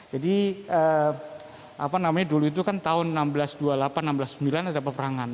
jadi apa namanya dulu itu kan tahun seribu enam ratus dua puluh delapan satu ratus enam puluh sembilan ada peperangan